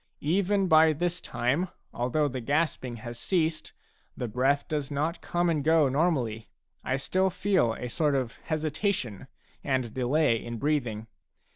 Even by this time, although the gasping has ceased, the breath does not come and go normally ; I still feel a sort of hesitation and delay in breathing.